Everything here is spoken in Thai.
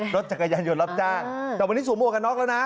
รถจักรยานยนต์รับจ้างแต่วันนี้สวมหวกกันน็อกแล้วนะ